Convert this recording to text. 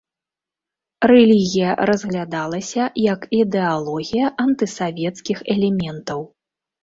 Рэлігія разглядалася як ідэалогія антысавецкіх элементаў.